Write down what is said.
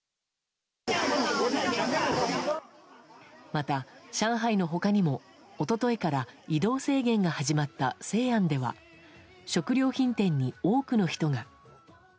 また、上海の他にも一昨日から移動制限が始まった西安では食料品店に多くの人が。